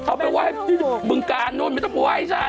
เอาไปไหว้บึงกาลนู่นไม่ต้องไปไหว้ฉัน